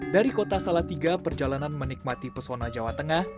dari kota salatiga perjalanan menikmati pesona jawa tengah